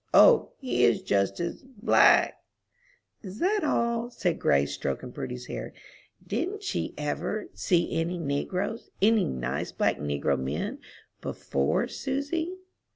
_ O, he is just as black!" "Is that all," said Grace, stroking Prudy's hair. "Didn't she ever see any negroes any nice black negro men before, Susy?"